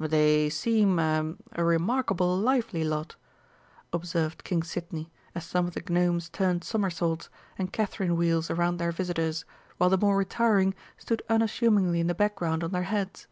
"They seem ah a remarkable lively lot," observed King Sidney as some of the Gnomes turned somersaults and Catherine wheels around their visitors, while the more retiring stood unassumingly in the background on their heads.